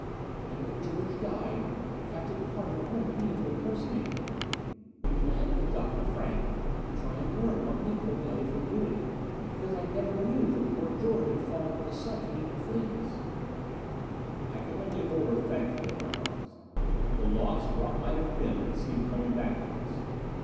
"And when George died, Captain Carter wanted me to impersonate him. We planned it with Dr. Frank, to try and learn what Miko and the others were doing. Because I never knew that poor George had fallen into such evil things." I could only hold her thankfully in my arms. The lost what might have been seemed coming back to us.